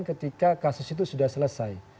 ketika kasus itu sudah selesai